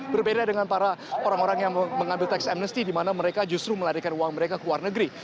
berbeda dengan para orang orang yang mengambil tax amnesty di mana mereka justru melarikan uang mereka ke luar negeri